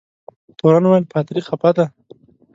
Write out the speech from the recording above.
تورن وویل پادري خفه دی.